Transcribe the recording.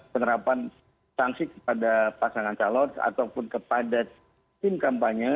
penerapan sanksi kepada pasangan calon ataupun kepada tim kampanye